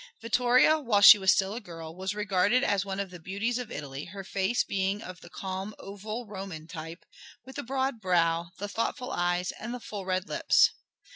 Vittoria, while she was still a girl, was regarded as one of the beauties of Italy, her face being of the calm oval Roman type, with the broad brow, the thoughtful eyes, and the full red lips.